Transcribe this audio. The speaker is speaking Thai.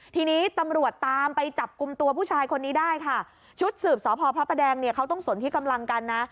ทีนี้ตำรวจตามไปจับกลุ่มตัวผู้ชายคนนี้ได้ค่ะชุดสืบสพพระประแดงเนี่ยเขาต้องสนที่กำลังกันนะ